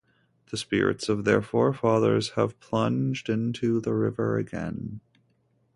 The spirits of their forefathers have plunged into the river again.